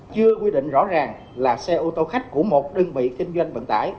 chưa quy định rõ ràng là xe ô tô khách của một đơn vị kinh doanh vận tải